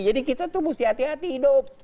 kita tuh mesti hati hati hidup